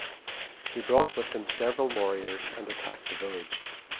He brought with him several warriors and attacked the village.